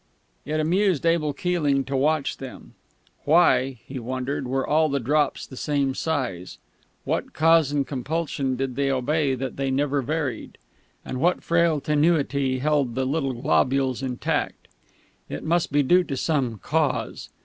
It amused Abel Keeling to watch them. Why (he wondered) were all the drops the same size? What cause and compulsion did they obey that they never varied, and what frail tenuity held the little globules intact? It must be due to some Cause....